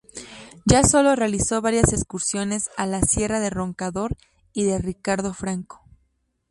Ya solo realizó varias excursiones a las sierra de Roncador y de Ricardo Franco.